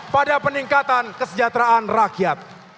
pada peningkatan kesejahteraan rakyat